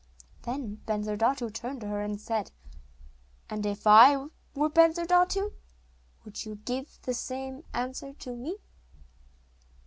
Then Bensurdatu turned to her, and said: 'And if I were Bensurdatu, would you give the same answer to me?